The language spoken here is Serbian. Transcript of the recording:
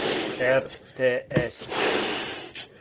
ер те ес